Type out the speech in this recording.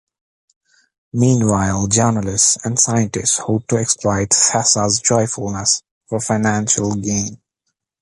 Meanwhile, journalists and scientists hope to exploit Thassa's joyfulness for financial gain.